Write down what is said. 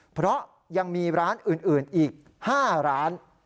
เพราะยังมีร้านอื่นอีก๕ร้าน